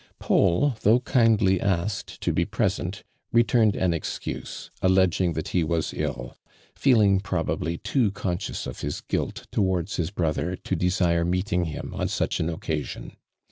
Paul, though kindly asked to be present returned an excuse, alleging that he was ill, feeling probably too conscious of his guilt towards his brotlier to desire meeting hun on such an occasion.